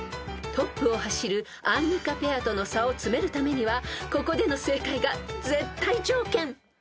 ［トップを走るアンミカペアとの差をつめるためにはここでの正解が絶対条件］